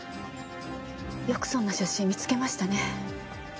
よくそんな写真見つけましたね。